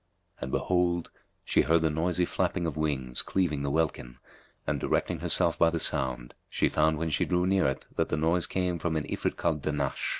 And behold, she heard the noisy flapping of wings cleaving the welkin and, directing herself by the sound, she found when she drew near it that the noise came from an Ifrit called Dahnash.